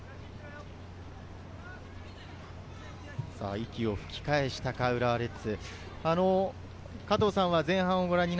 息を吹き返したか、浦和レッズ。